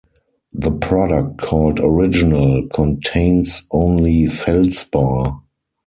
The product called "original" contains only feldspar.